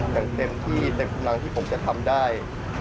อย่างเต็มที่เต็มกำลังที่ผมจะทำได้